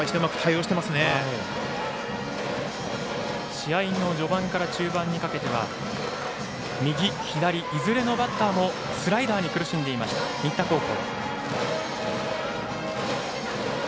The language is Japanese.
試合の序盤から中盤にかけては右、左、いずれのバッターもスライダーに苦しんでいました新田高校。